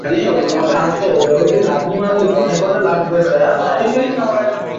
কোন একটি প্রজাতি মহাবিপন্ন কিনা তা মূলত পাঁচটি বিষয়ের উপর নির্ভরশীল।